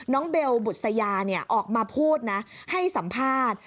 เบลบุษยาออกมาพูดนะให้สัมภาษณ์